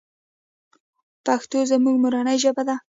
پښتو زموږ مورنۍ ژبه ده.